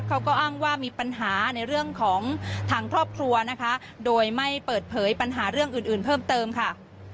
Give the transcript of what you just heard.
เขาก็อ้างว่ามีปัญหาในเรื่องของทางครอบครัวนะคะโดยไม่เปิดเผยปัญหาเรื่องอื่นอื่นเพิ่มเติมค่ะ